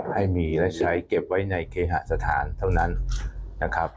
ให้มีและใช้เก็บไว้ในเคหสถานเท่านั้นนะครับ